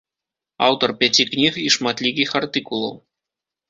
Аўтар пяці кніг і шматлікіх артыкулаў.